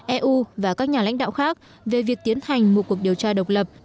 eu và các nhà lãnh đạo khác về việc tiến hành một cuộc điều tra độc lập